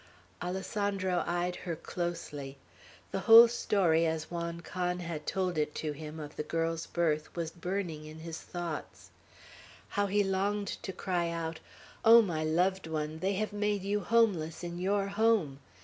Alessandro eyed her closely. The whole story, as Juan Can had told it to him, of the girl's birth, was burning in his thoughts. How he longed to cry out, "O my loved one, they have made you homeless in your home.